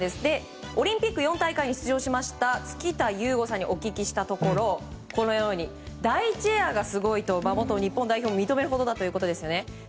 オリンピック４大会に出場しました附田雄剛さんにお聞きしたところ第１エアがすごいと元日本代表も認めるほどだということです。